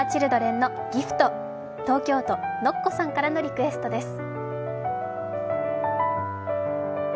東京都ＮＯＫＫＯさんからのリクエストです。